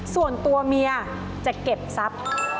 ส่วนตัวเมียจะเก็บทรัพย์